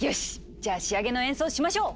じゃあ仕上げの演奏しましょう！